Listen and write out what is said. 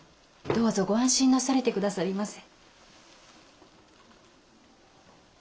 どうぞご安心なされて下さりませ。